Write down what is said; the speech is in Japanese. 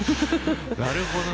なるほどね。